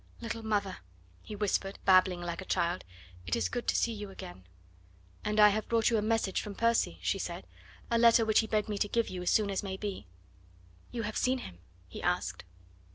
"Little mother," he whispered, babbling like a child, "it is good to see you again." "And I have brought you a message from Percy," she said, "a letter which he begged me to give you as soon as may be." "You have seen him?" he asked.